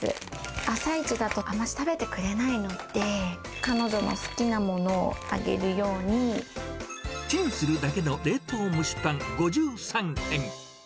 朝一だと、あんまし食べてくれないので、彼女の好きなものをあげちんするだけの冷凍蒸しパン５３円。